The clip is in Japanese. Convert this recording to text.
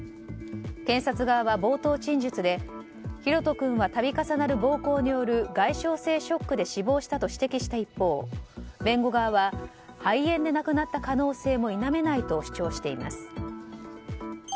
検察側は冒頭陳述で大翔君は度重なる暴行による外傷性ショックで死亡したと指摘した一方弁護側は肺炎で亡くなった可能性も否めないと主張しています。